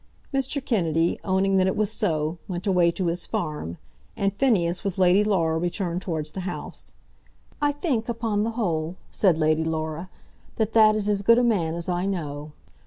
Mr. Kennedy, owning that it was so, went away to his farm, and Phineas with Lady Laura returned towards the house. "I think, upon the whole," said Lady Laura, "that that is as good a man as I know."